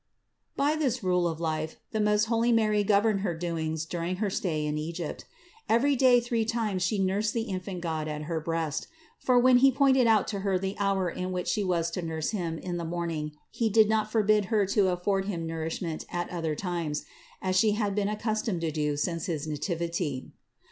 659. By this rule of life the most holy Mary governed her doings during her stay in Egypt. Every day three times She nursed the infant God at her breast; for when He pointed out to Her the hour in which She was to nurse Him in the morning, He did not forbid Her to afford Him nourishment at other times, as She had been 564 CITY OF GOD accustomed to do since his Nativity.